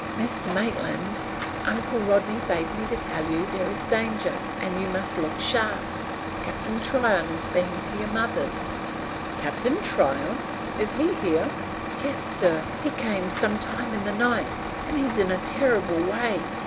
"Mr. Maitland, Uncle Rodney bade me tell you there is danger, and you must look sharp. Cap'n Tryon has been to your mother's " "Captain Tryon! Is he here?" "Yes, sir. He came some time in the night, and he's in a terrible way."